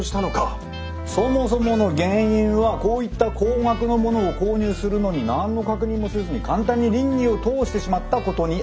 そもそもの原因はこういった高額のものを購入するのに何の確認もせずに簡単に稟議を通してしまったことにある。